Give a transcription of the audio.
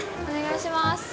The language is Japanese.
お願いします。